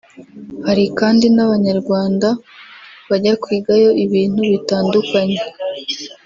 Hari kandi n’abandi Banyarwanda bajya kwigayo ibintu bitandukanye